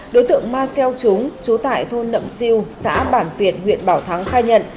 đối tượng ma xeo trúng chú tại thôn nậm siêu xã bản việt huyện bảo thắng khai nhận